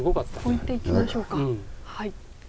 置いていきましょうか。